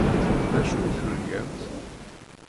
D acu i turgamt?